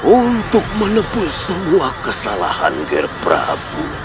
untuk menembus semua kesalahan ger prabu